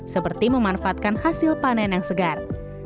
seperti memanfaatkan hasil panen yang segar